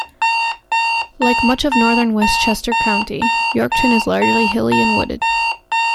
Like much of northern Westchester County, Yorktown is largely hilly and wooded.